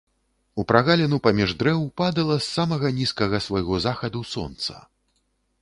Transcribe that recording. У прагаліну паміж дрэў падала з самага нізкага свайго захаду сонца.